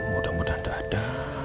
mudah mudahan nggak ada